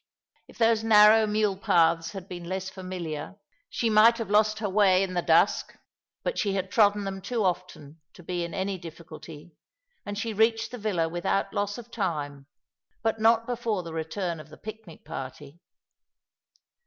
If those narrow mule paths had been less familiar, she might have lost her way in the dusk ; but she had trodden them too often to be in any difficulty, and she reached the villa without loss of time, but not before the return of the picnic party.